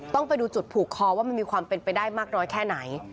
ต้องไปดูจุดผูกคอว่ามันมีความเป็นไปได้มากน้อยแค่ไหน